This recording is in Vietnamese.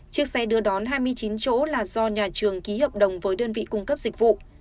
chiếc xe đưa đón hai mươi chín chỗ là do nhà trường ký hợp đồng với đơn vị cung cấp dịch vụ